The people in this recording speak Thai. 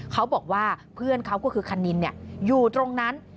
เขาบอกว่าเพื่อนเขาก็คือคณินอยู่ตรงนั้น